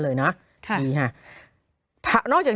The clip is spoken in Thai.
โหยวายโหยวายโหยวาย